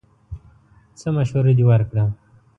څه مشوره دې ورکړه!